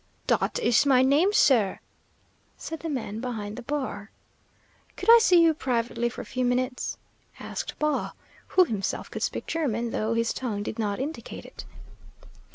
"Dot ish my name, sir," said the man behind the bar. "Could I see you privately for a few minutes?" asked Baugh, who himself could speak German, though his tongue did not indicate it.